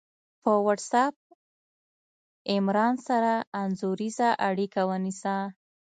په وټس آپ عمران سره انځوریزه اړیکه ونیسه